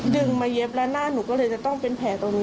ดึงมาเย็บแล้วหน้าหนูก็เลยจะต้องเป็นแผลตรงนี้